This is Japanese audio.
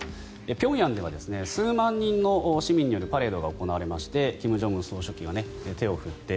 平壌では数万人の市民によるパレードが行われまして金正恩総書記が手を振って